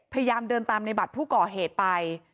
พยายามเดินตามในบัตรผู้ก่อเหตุไป